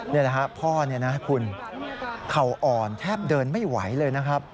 นี่แหละครับพ่อเนี่ยนะคุณเข่าอ่อนแทบเดินไม่ไหวเลยนะครับ